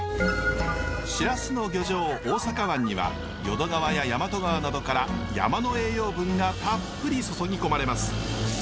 シラスの漁場大阪湾には淀川や大和川などから山の栄養分がたっぷり注ぎ込まれます。